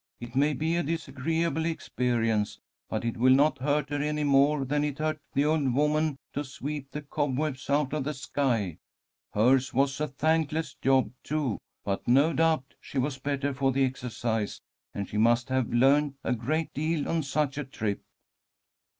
"It may be a disagreeable experience, but it will not hurt her any more than it hurt the old woman to sweep the cobwebs out of the sky. Hers was a thankless job, too, but no doubt she was better for the exercise, and she must have learned a great deal on such a trip."